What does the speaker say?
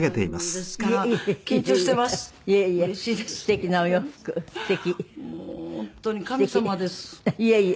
いえいえ。